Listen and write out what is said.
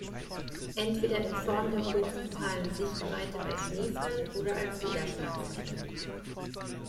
Entweder in Form der horizontalen Sichtweite bei Schneefall oder als Niederschlagsmenge.